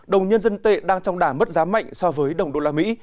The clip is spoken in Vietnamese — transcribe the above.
đồng nhân dân tệ đang trong đảm mất giá mạnh so với đồng usd